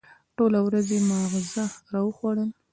ټوله ورځ یې ماغزه را وخوړل.